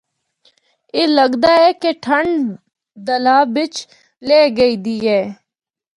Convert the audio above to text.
اے لگدا اے کہ ٹھنڈ دلّا بچ لِہہ گئی دی اے۔